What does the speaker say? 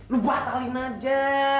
lu batalin aja